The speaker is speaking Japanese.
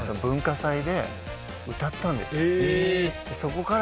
そこから。